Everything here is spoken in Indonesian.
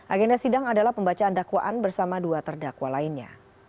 agenda sidang adalah pembacaan dakwaan bersama dua terdakwa lainnya